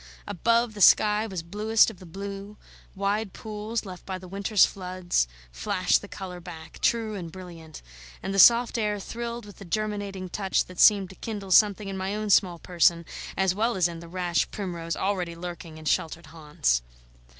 Above, the sky was bluest of the blue; wide pools left by the winter's floods flashed the colour back, true and brilliant; and the soft air thrilled with the germinating touch that seemed to kindle something in my own small person as well as in the rash primrose already lurking in sheltered haunts.